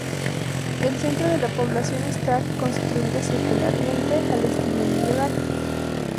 El centro de la población está construida circularmente, al estilo medieval.